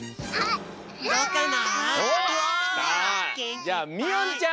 じゃあみおんちゃん。